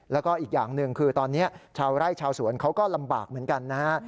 แล้วก็อีกอย่างหนึ่งคือตอนนี้ชาวไร่ชาวสวนเขาก็ลำบากเหมือนกันนะฮะ